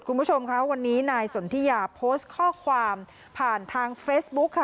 คุณผู้ชมค่ะวันนี้นายสนทิยาโพสต์ข้อความผ่านทางเฟซบุ๊คค่ะ